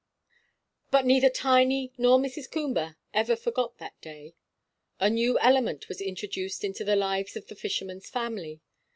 But neither Tiny nor Mrs. Coomber ever forgot that day. A new element was introduced into the lives of the fisherman's family.